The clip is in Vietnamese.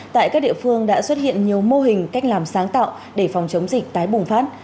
tại các địa phương đã xuất hiện nhiều mô hình cách làm sáng tạo để phòng chống dịch tái bùng phát